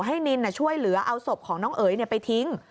นินช่วยเหลือเอาศพของน้องเอ๋ยไปทิ้ง